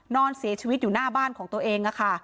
นอนเสียชีวิตอยู่หน้าบ้านของตัวเอง